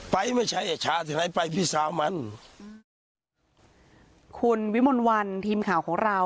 ไม่ใช่ไอ้ชาที่ไหนไปพี่สาวมันคุณวิมลวันทีมข่าวของเรา